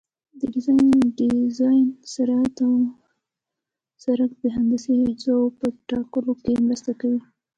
د ډیزاین سرعت د سرک د هندسي اجزاوو په ټاکلو کې مرسته کوي